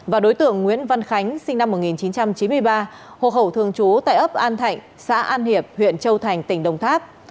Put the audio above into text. và đối tượng nguyễn văn khánh sinh năm một nghìn chín trăm chín mươi ba hộ khẩu thường trú tại ấp an thạnh xã an hiệp huyện châu thành tỉnh đồng tháp